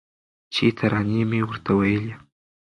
چي ترانې مي ورته ویلې